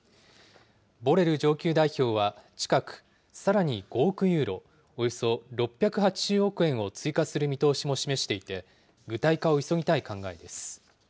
ボレル上級代表は近く、さらに５億ユーロ、およそ６８０億円を追加する見通しも示していて、具体化を急ぎたい考えです。